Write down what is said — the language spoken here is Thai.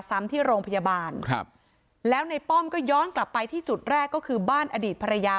ซ้ำที่โรงพยาบาลครับแล้วในป้อมก็ย้อนกลับไปที่จุดแรกก็คือบ้านอดีตภรรยา